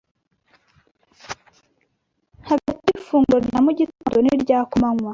hagati y’ifunguro rya mugitondo n’irya kumanywa